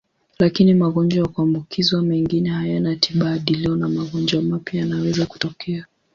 Lakini magonjwa ya kuambukizwa mengine hayana tiba hadi leo na magonjwa mapya yanaweza kutokea.